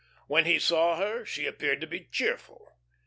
When he saw her she appeared to be cheerful.